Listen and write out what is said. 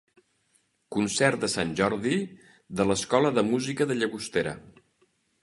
Concert de Sant Jordi de l'Escola de Música de Llagostera.